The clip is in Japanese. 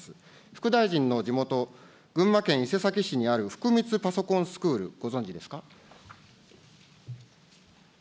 副大臣の地元、群馬県伊勢崎市にあるふくみつパソコンスクール、ご存じですか。